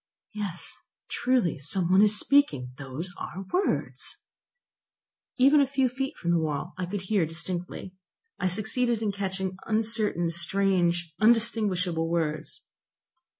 "Yes, truly, some one is speaking; those are words!" Even a few feet from the wall I could hear distinctly. I succeeded in catching uncertain, strange, undistinguishable words.